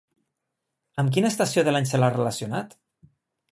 Amb quina estació de l'any se l'ha relacionat?